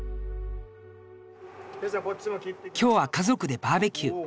今日は家族でバーベキュー。